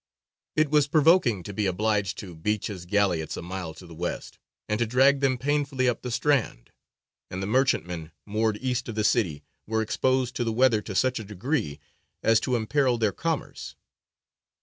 It was provoking to be obliged to beach his galleots a mile to the west, and to drag them painfully up the strand; and the merchantmen, moored east of the city, were exposed to the weather to such a degree as to imperil their commerce.